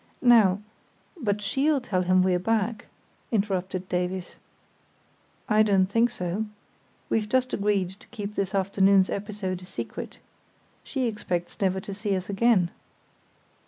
Now——" "But she'll tell him we're back," interrupted Davies. "I don't think so. We've just agreed to keep this afternoon's episode a secret. She expects never to see us again."